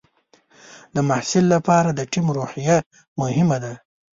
د محصل لپاره د ټیم روحیه مهمه ده.